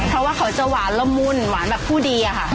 เพราะว่าเขาจะหวานละมุ่นหวานแบบผู้ดีอะค่ะ